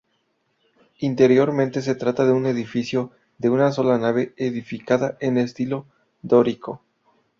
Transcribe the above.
Interiormente se trata de un edificio de una sola nave edificada en estilo dórico.